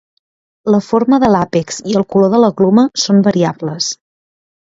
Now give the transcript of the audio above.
La forma de l'àpex i el color de la gluma són variables.